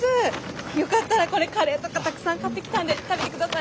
よかったらこれカレーとかたくさん買ってきたんで食べて下さい。